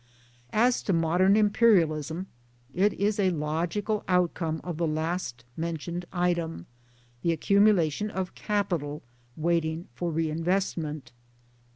As to modern Imperialism it is a logical outcome of the last mentioned item, the accumulation of capital waiting for reinvestment.